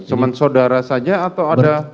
cuma saudara saja atau ada